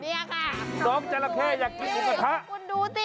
น้องแทบจะไม่ใช่จอละเข้แล้ว